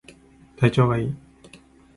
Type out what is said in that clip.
体調いい